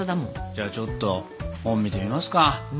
じゃあちょっと本見てますか。